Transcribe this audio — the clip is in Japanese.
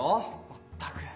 まったく！